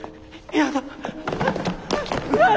嫌だ！